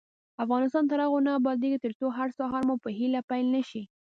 افغانستان تر هغو نه ابادیږي، ترڅو هر سهار مو په هیله پیل نشي.